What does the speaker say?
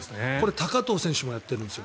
高藤選手もやっているんですよ。